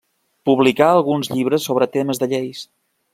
Publicà alguns llibres sobre temes de lleis.